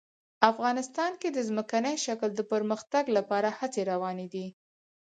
افغانستان کې د ځمکني شکل د پرمختګ لپاره هڅې روانې دي.